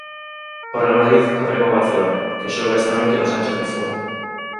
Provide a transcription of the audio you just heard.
O Real Madrid aprema o Barcelona, que xoga esta noite no Sánchez-Pizjuán.